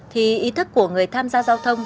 thì ý thức của người tham gia giao thông